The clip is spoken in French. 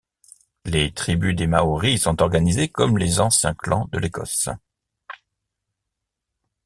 Les tribus des Maoris sont organisées comme les anciens clans de l’Écosse.